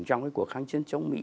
trong cái cuộc kháng chiến chống mỹ